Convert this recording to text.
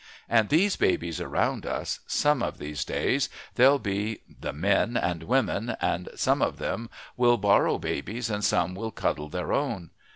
And these babies around us some of these days they'll be the men and women, and some of them will borrow babies, and some will cuddle their own.